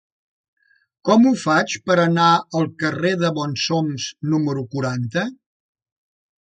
Com ho faig per anar al carrer de Bonsoms número quaranta?